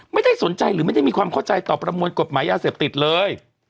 ไม่ได้สนใจหรือไม่ได้มีความเข้าใจต่อประมวลกฎหมายยาเสพติดเลย